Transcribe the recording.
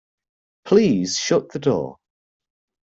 Please shut the door.